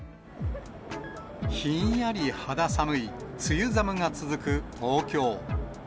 ひんやり肌寒い梅雨寒が続く東京。